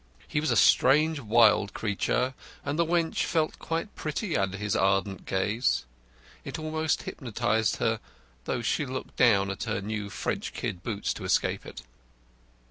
He was a strange, wild creature, and the wench felt quite pretty under his ardent gaze. It almost hypnotised her, though, and she looked down at her new French kid boots to escape it.